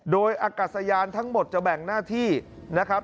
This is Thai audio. โดยอากาศยานทั้งหมดจะแบ่งหน้าที่นะครับ